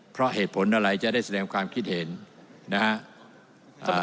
เพราะเหตุผลอะไรจะได้แสดงความคิดเห็นนะฮะ